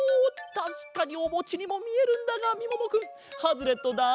たしかにおもちにもみえるんだがみももくんハズレットだ！